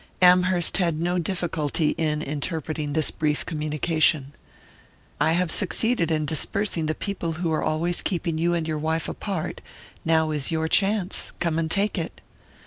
Amherst had no difficulty in interpreting this brief communication. "I have succeeded in dispersing the people who are always keeping you and your wife apart; now is your chance: come and take it."